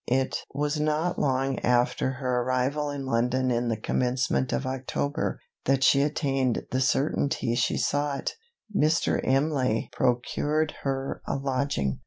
It was not long after her arrival in London in the commencement of October, that she attained the certainty she sought. Mr. Imlay procured her a lodging.